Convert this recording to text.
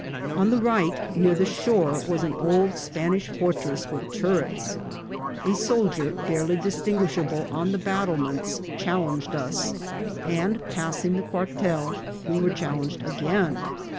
On the right, near the shore, was an old Spanish fortress with turrets. A soldier, barely distinguishable on the battlements, challenged us ; and, passing the quartel, we were challenged again.